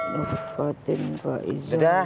terima kasih pak izzah